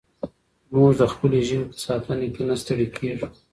موږ د خپلې ژبې په ساتنه کې نه ستړي کېږو.